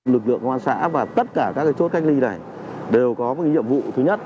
lực lượng công an xã và tất cả các chốt cách ly này đều có nhiệm vụ thứ nhất